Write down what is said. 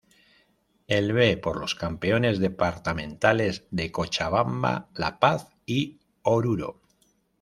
El B por los campeones departamentales de Cochabamba, La Paz y Oruro.